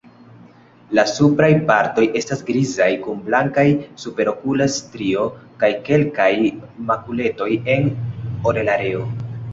La supraj partoj estas grizaj kun blankaj superokula strio kaj kelkaj makuletoj en orelareo.